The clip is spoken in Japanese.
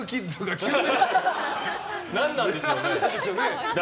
何なんでしょうね。